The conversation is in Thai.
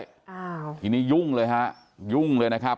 อ้าวทีนี้ยุ่งเลยฮะยุ่งเลยนะครับ